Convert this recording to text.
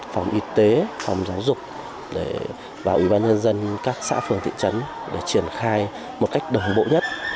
phòng y tế phòng giáo dục để vào ủy ban dân dân các xã phường thị trấn để triển khai một cách đồng bộ nhất